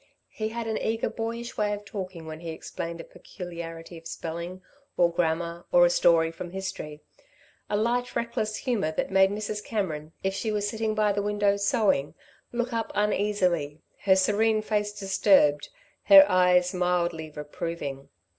He had an eager, boyish way of talking when he explained a peculiarity of spelling, or grammar, or a story from history a light reckless humour that made Mrs. Cameron, if she were sitting by the window, sewing, look up uneasily, her serene face disturbed, her eyes mildly reproving.